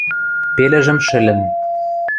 Пелӹжӹм шӹльӹм...